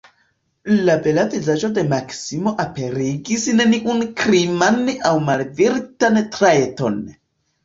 La bela vizaĝo de Maksimo aperigis neniun kriman aŭ malvirtan trajton.